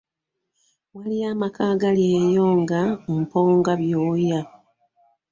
Waliyo amaka agali eyo nga mpongabyoya.